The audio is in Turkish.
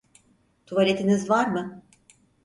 Tuvaletiniz var mı?